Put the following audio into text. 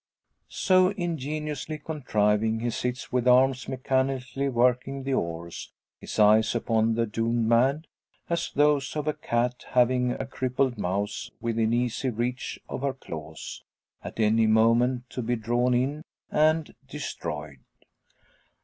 So ingeniously contriving, he sits with arms mechanically working the oars; his eyes upon the doomed man, as those of a cat having a crippled mouse within easy reach of her claws, at any moment to be drawn in and destroyed!